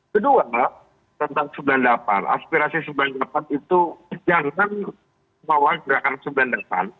kedua tentang sembilan puluh delapan aspirasi sembilan puluh delapan itu jangan bawa gerakan sembilan puluh delapan